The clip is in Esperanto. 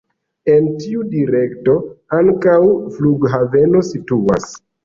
En tiu direkto ankaŭ flughaveno situas.